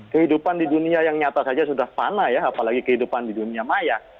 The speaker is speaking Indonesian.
kehidupan di dunia yang nyata saja sudah panah ya apalagi kehidupan di dunia maya